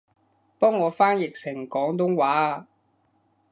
幫我翻譯成廣東話吖